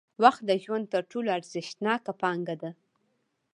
وخت د ژوند تر ټولو ارزښتناکه پانګه ده.